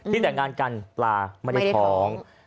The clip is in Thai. แต่งงานกันปลาไม่ได้ท้อง